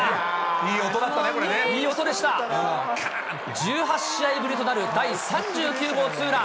１８試合ぶりとなる第３９号ツーラン。